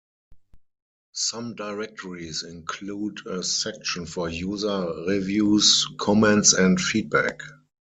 Some directories include a section for user reviews, comments, and feedback.